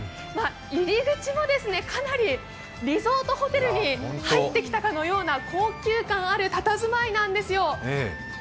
入り口もかなりリゾートホテルに入ってきたかのような高級感あるたたずまいなんですよ。